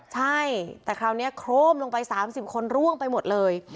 ใช่แต่คราวนี้โครมลงไป๓๐คนร่วงไปหมดเลย